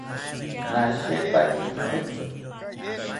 Nashetaki noetzi